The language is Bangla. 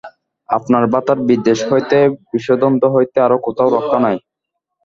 আপনার ভ্রাতার বিদ্বেষ হইতে, বিষদন্ত হইতে, আর কোথাও রক্ষা নাই।